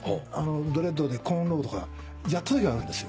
ドレッドでコーンロウとかやったときあるんですよ。